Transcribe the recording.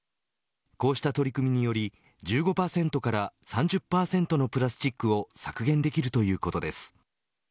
こうした取り組みにより１５％から３０％のプラスチックを削減できるということです。